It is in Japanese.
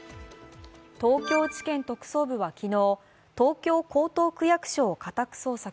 東京地検特捜部は昨日、東京・江東区役所を家宅捜索。